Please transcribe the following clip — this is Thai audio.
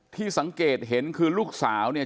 ที่สังเกตเห็นคือลูกสาวเนี่ย